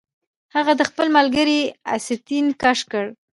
هغه د خپل ملګري آستین کش کړ